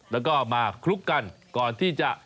แล้วก็มาคลุกกันก่อนที่จะ